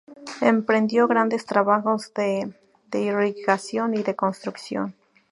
Emprendió grandes trabajos de de irrigación y de construcción.